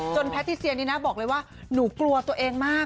แพทติเซียนี่นะบอกเลยว่าหนูกลัวตัวเองมาก